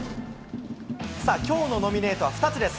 さあ、きょうのノミネートは２つです。